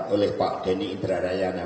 oleh pak denny indra rayana